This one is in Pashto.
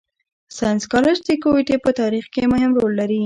ساینس کالج د کوټي په تارېخ کښي مهم رول لري.